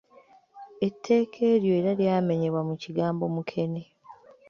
Etteeka eryo era lyamenyebwa mu kigambo ‘mukeene.’